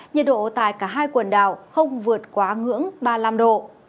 nhiệt độ tại cả hai quần đảo không vượt quá ngưỡng ba mươi năm độ